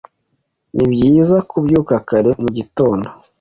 Nibyiza kubyuka kare mugitondo.